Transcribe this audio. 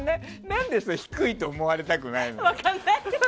何で低いと思われたくないの？